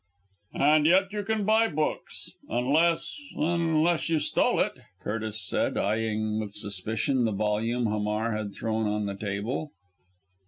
"And yet you can buy books unless unless you stole it!" Curtis said, eyeing with suspicion the volume Hamar had thrown on the table.